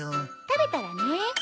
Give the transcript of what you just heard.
食べたらね。